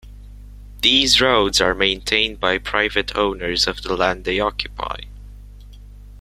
These roads are maintained by private owners of the land they occupy.